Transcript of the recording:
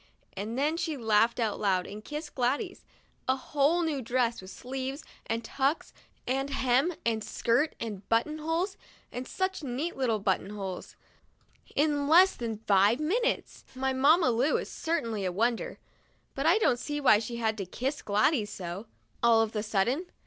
And then she laughed out loud and kissed Gladys. A whole new dress, with sleeves, and tucks, and hem, and skirt, and buttonholes — and such neat little buttonholes — in less than five minutes ! My Mamma Lu is certainly a wonder ; but I don't see why she had to kiss Gladys so, all of a sudden.